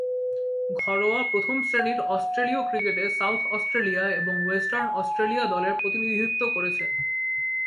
ঘরোয়া প্রথম-শ্রেণীর অস্ট্রেলীয় ক্রিকেটে সাউথ অস্ট্রেলিয়া এবং ওয়েস্টার্ন অস্ট্রেলিয়া দলের প্রতিনিধিত্ব করেছেন।